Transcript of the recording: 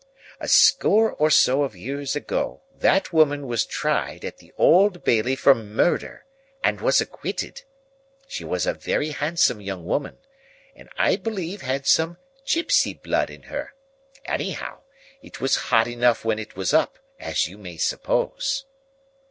"A score or so of years ago, that woman was tried at the Old Bailey for murder, and was acquitted. She was a very handsome young woman, and I believe had some gypsy blood in her. Anyhow, it was hot enough when it was up, as you may suppose."